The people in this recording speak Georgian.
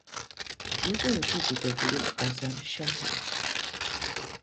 იყო ერთი დიდებული ყაზან-შაჰი.